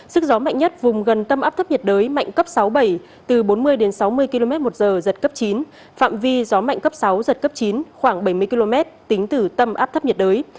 sức gió mạnh nhất vùng gần tâm áp thấp nhiệt đới mạnh cấp sáu bảy từ bốn mươi đến sáu mươi km một giờ giật cấp chín phạm vi gió mạnh cấp sáu giật cấp chín khoảng bảy mươi km tính từ tâm áp thấp nhiệt đới